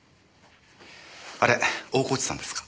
あれ大河内さんですか？